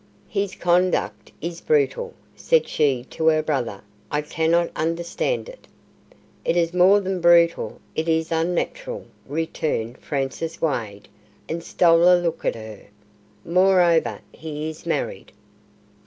"His conduct is brutal," said she to her brother. "I cannot understand it." "It is more than brutal; it is unnatural," returned Francis Wade, and stole a look at her. "Moreover, he is married."